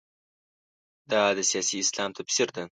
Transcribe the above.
دا د سیاسي اسلام تفسیر ده.